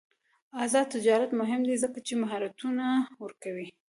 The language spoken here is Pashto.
آزاد تجارت مهم دی ځکه چې مهارتونه ورکوي.